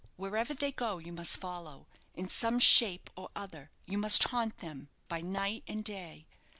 Wherever they go, you must follow in some shape or other you must haunt them, by night and day.